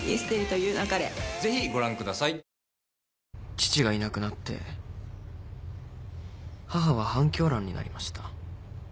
父がいなくなって母は半狂乱になりました。